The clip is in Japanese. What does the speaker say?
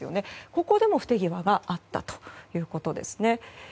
ここでも不手際があったということですね。